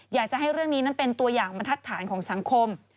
อยากจะให้เรื่องนี้นั้นเป็นตัวอย่างบรรทัดฐานของสังคม